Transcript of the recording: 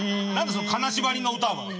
その金縛りの歌は。